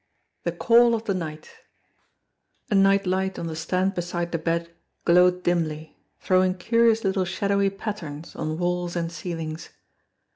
XXI THE CALL OF THE NIGHT ANIGHT light on the stand beside the bed glowed dimly, throwing curious little shadowy patterns on walls and ceilings.